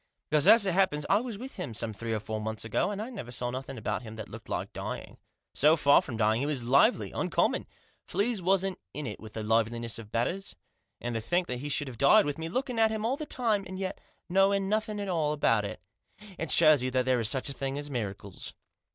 Because, as it happens, I was with him some three or four months ago, and I never saw nothing about him that looked like dying. So far from dying, he was lively, uncommon ; fleas wasn't in it with the liveliness of Batters. And to think that he should have died with me looking at him all the time, and yet knowing nothing at all about Digitized by 204 THE JOSS. it It shows you that there is such things as miracles."